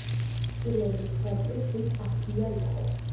პირველი მსხვერპლი თვით აბდია იყო.